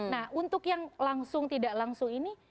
nah untuk yang langsung tidak langsung ini